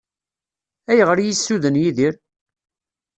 Ayɣer i yi-ssuden Yidir?